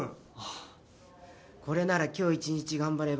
これなら今日一日頑張れば完成だな。